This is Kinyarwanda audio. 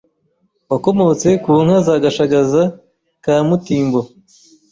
Wakomotse ku nka za Gashagaza ka Mutimbo